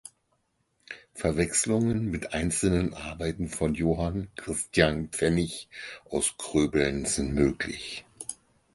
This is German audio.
Verwechslungen mit einzelnen Arbeiten von Johann Christian Pfennig aus Kröbeln sind möglich.